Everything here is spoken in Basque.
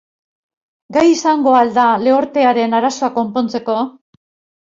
Gai izango al da lehortearen arazoa konpontzeko?